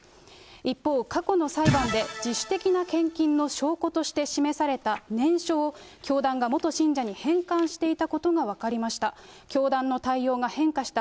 一方、過去の裁判で、自主的な献金の証拠として示された念書を、教団が元信者に返還していたことが分かりました。